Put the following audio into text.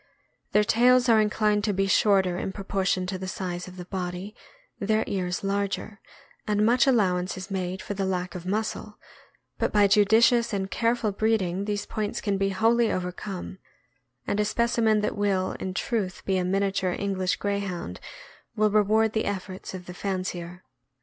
Their tails are inclined to be shorter in proportion to the size of the body, their ears larger, and much allowance is made for the lack of muscle; but by judicious and careful breeding these points can be wholly overcome, and a specimen that will, in truth, be a miniature English Grey hound will reward the efforts of the fancier.